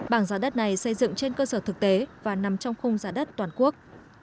bảng giá đất này xây dựng trên cơ sở thực tế và nằm trong khung giá đất toàn quốc